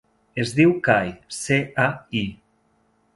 Es diu Cai: ce, a, i.